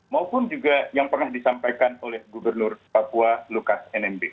maupun juga yang pernah disampaikan oleh gubernur papua lukas nmb